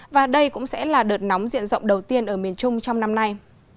và đây cũng sẽ là đợt nóng diện rộng đầu tiên ở miền trung trong năm nay